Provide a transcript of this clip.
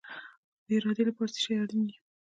د ارادې لپاره څه شی اړین دی؟